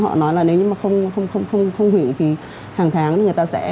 họ nói là nếu như mà không hủy thì hàng tháng thì người ta sẽ